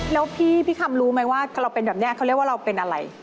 แล้วพี่คำรู้ไหมว่าเราเป็นแบบนี้เขาเรียกว่าเราเป็นอะไร